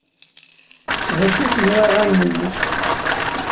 D acu-ten waɣanen-nnek?